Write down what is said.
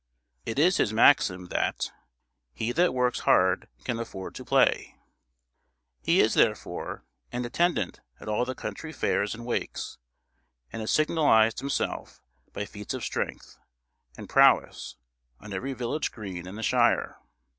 It is his maxim, that "he that works hard can afford to play." He is, therefore, an attendant at all the country fairs and wakes, and has signalised himself by feats of strength and prowess on every village green in the shire.